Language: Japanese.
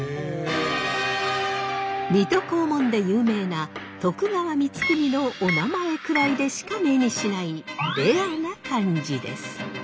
水戸黄門で有名な徳川光圀のおなまえくらいでしか目にしないレアな漢字です。